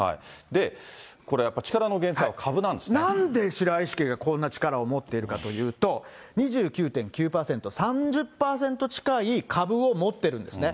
で、これやっぱり力の源泉は株ななんで白石家がこんな力を持っているかというと、２９．９％、３０％近い株を持っているんですね。